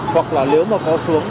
hoặc là nếu mà có xuống